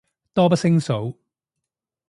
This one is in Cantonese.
多不勝數